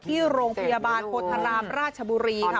ที่โรงพยาบาลโพธารามราชบุรีค่ะ